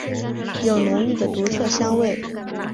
有浓郁的独特香味。